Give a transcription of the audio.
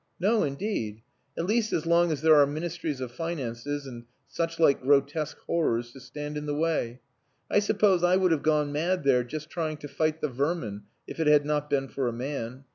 No, indeed at least as long as there are Ministries of Finances and such like grotesque horrors to stand in the way. I suppose I would have gone mad there just trying to fight the vermin, if it had not been for a man.